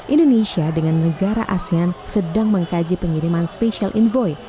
indonesia dengan negara asean sedang mengkaji pengiriman special envoy